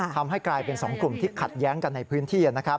ทำให้กลายเป็น๒กลุ่มที่ขัดแย้งกันในพื้นที่นะครับ